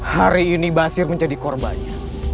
hari ini basir menjadi korbannya